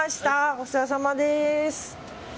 お世話さまです。